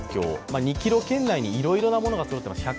２ｋｍ圏内にいろいろなもものがそろっています。